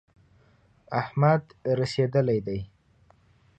احمد رسېدلی دی.